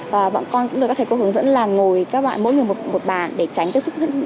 và bọn con cũng được các thầy cô hướng dẫn là ngồi các bạn mỗi người một bàn để tránh cái sức khỏe